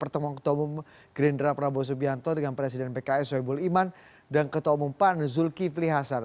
pertemuan ketua umum gerindra prabowo subianto dengan presiden pks soebul iman dan ketua umum pan zulkifli hasan